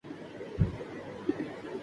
ان اشکوں سے کتنا روشن اک تاریک مکان ہو